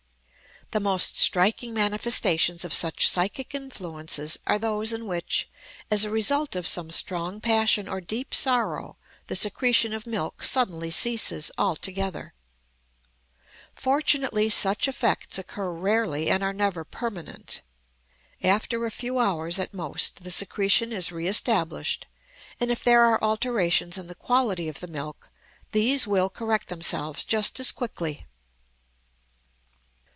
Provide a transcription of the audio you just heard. The most striking manifestations of such psychic influences are those in which, as a result of some strong passion or deep sorrow, the secretion of milk suddenly ceases altogether. Fortunately such effects occur rarely and are never permanent. After a few hours at most the secretion is reestablished; and if there are alterations in the quality of the milk, these will correct themselves just as quickly.